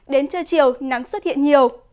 đến trưa chiều nắng xuất hiện nhiều